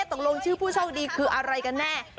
ตกลงชื่อผู้โชคดีคืออะไรกันแน่